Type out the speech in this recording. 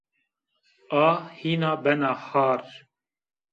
A hîna bena har